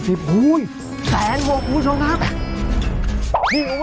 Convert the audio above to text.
จับได้แล้วครับโอ้โฮ